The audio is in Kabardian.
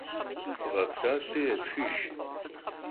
Ğepsalhi yêpxıjj.